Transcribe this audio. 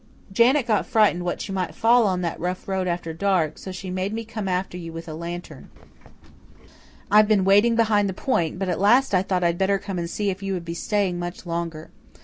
"Janet got frightened that you might fall on that rough road after dark, so she made me come after you with a lantern. I've been waiting behind the point, but at last I thought I'd better come and see if you would be staying much longer.